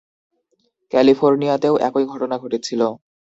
ক্যালিফোর্নিয়াতেও একই ঘটনা ঘটেছিল।